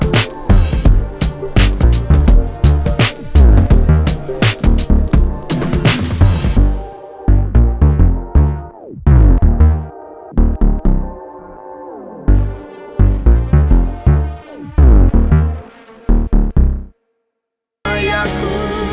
kau yang ku